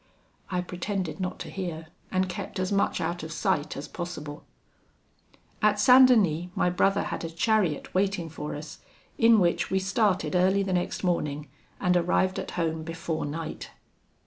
I pretended not to hear, and kept as much out of sight as possible. "At St. Denis my brother had a chariot waiting for us, in which we started early the next morning, and arrived at home before night.